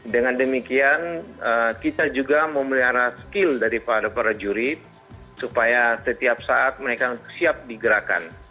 dengan demikian kita juga memelihara skill daripada para jurid supaya setiap saat mereka siap digerakkan